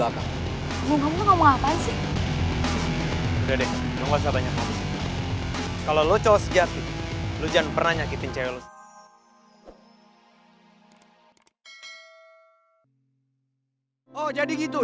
kalo lo cowok sejati lo jangan pernah nyakitin cewek lo